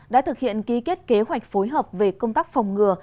đã thực hiện ký kết kế hoạch phối hợp về công tác phòng ngừa